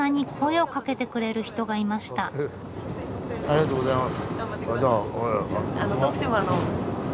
ありがとうございます。